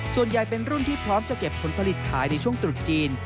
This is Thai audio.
ส่วนใหญ่เป็นรุ่นที่พร้อมจะเก็บผลผลิตขายในช่วงตรุษจีน